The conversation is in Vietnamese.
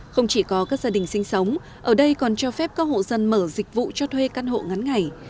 không chỉ có các gia đình sinh sống ở đây còn cho phép các hộ dân mở dịch vụ cho thuê căn hộ ngắn ngày